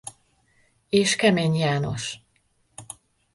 És Kemény János.